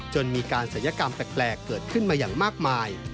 จนมีการศัลยกรรมแปลกเกิดขึ้นมาอย่างมากมาย